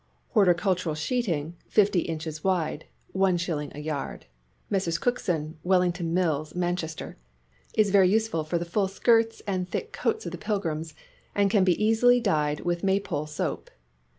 "Horticultural Sheeting," 50 inches wide, is. a yard (Messrs. Cookson, Wellington L DRESSES 9 Mills, Manchester), is very useful for the full skirts and thick coats of the pilgrims, and can be easily dyed with Maypole soap.